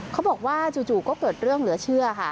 เขาบอกว่าจู่ก็เกิดเรื่องเหลือเชื่อค่ะ